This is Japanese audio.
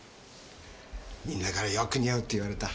みんなからよく似合うって言われた。